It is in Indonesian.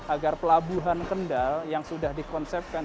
agar pelabuhan kendal yang sudah dikonsepkan